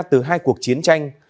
từ hai cuộc chiến tranh